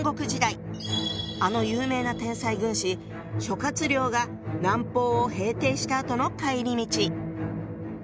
あの有名な天才軍師諸亮が南方を平定したあとの帰り道。